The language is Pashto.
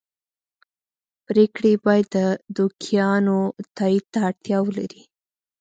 پرېکړې یې باید د دوکیانو تایید ته اړتیا ولري